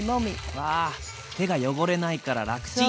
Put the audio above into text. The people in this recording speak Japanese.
うわ手が汚れないから楽ちん。